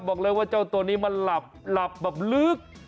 บอกเลยว่าเจ้าตัวนี้มันหลับแบบลึก